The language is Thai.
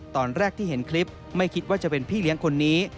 ตอนแรกที่เห็นคลิปไม่คิดว่าจะเป็นพี่เลี้ยงคนนี้